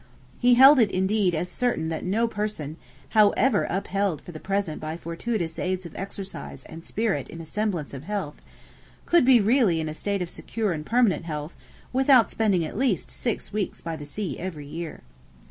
He held it indeed as certain that no person, however upheld for the present by fortuitous aids of exercise and spirit in a semblance of health, could be really in a state of secure and permanent health without spending at least six weeks by the sea every year.